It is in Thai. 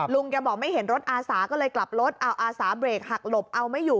แกบอกไม่เห็นรถอาสาก็เลยกลับรถเอาอาสาเบรกหักหลบเอาไม่อยู่